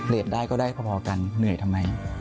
ได้ก็ได้พอกันเหนื่อยทำไม